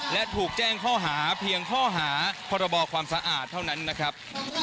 และถูกแจ้งข้อหาเพียงข้อหาพรบความสะอาดเท่านั้นนะครับ